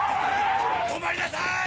止まりなさい！